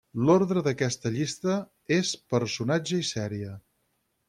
L'ordre d'aquesta llista és personatge i sèrie.